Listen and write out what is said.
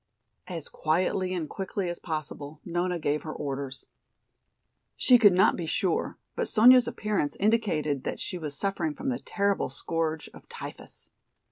As quietly and quickly as possible Nona gave her orders. She could not be sure, but Sonya's appearance indicated that she was suffering from the terrible scourge of typhus.